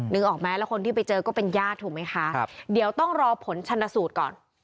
ออกไหมแล้วคนที่ไปเจอก็เป็นญาติถูกไหมคะเดี๋ยวต้องรอผลชนสูตรก่อน